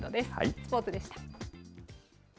スポーツでした。